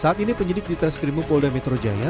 saat ini penyidik di treskrimum polda metro jaya